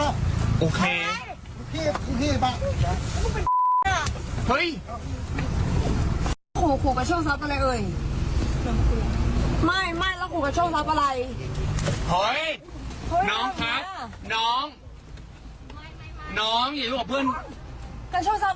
คุณผู้ชมดูคลิปกันก่อนเดี๋ยวเล่าเรื่องราวให้ฟังนะครับ